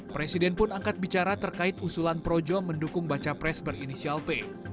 presiden pun angkat bicara terkait usulan projo mendukung baca pres berinisial p